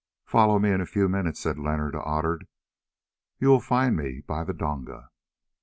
"Follow me in a few minutes," said Leonard to Otter; "you will find me by the donga."